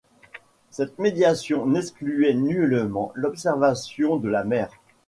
Cette méditation n’excluait nullement l’observation de la mer.